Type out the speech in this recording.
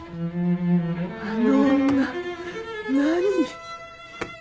あの女何！？